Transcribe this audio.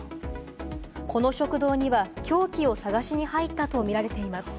この食堂には凶器を探しに入ったとみられています。